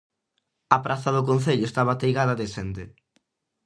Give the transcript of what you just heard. A praza do concello estaba ateigada de xente.